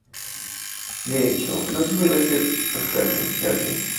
De hecho, no se llegó a hacer gira con este álbum.